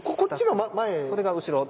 それが後ろです。